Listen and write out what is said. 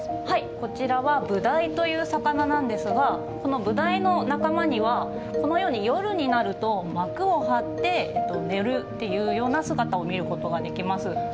こちらはブダイという魚なんですがこのブダイの仲間にはこのように夜になると膜を張って寝るっていうような姿を見ることができます。